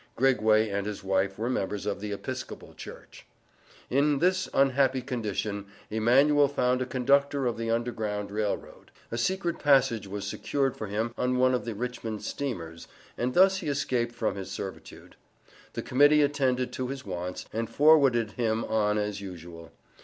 Grigway and his wife were members of the Episcopal Church. In this unhappy condition Emanuel found a conductor of the Underground Rail Road. A secret passage was secured for him on one of the Richmond steamers, and thus he escaped from his servitude. The Committee attended to his wants, and forwarded him on as usual.